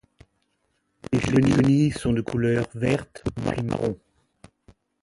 Les chenilles sont de couleur verte puis marron.